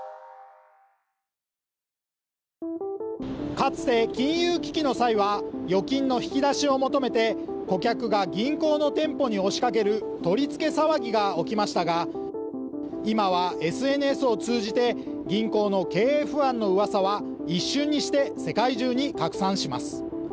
かつて金融危機の際は預金の引き出しを求めて、顧客が銀行の店舗に押しかける取り付け騒ぎが起きましたが今はＳＮＳを通じて銀行の経営不安のうわさは一瞬にして世界中に拡散します。